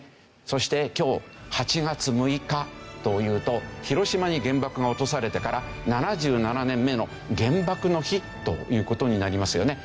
そして今日８月６日というと広島に原爆が落とされてから７７年目の原爆の日という事になりますよね。